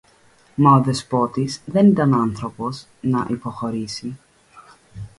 Μα ο Δεσπότης δεν ήταν άνθρωπος να υποχωρήσει